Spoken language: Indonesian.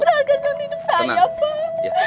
nggak ada yang hidup saya pak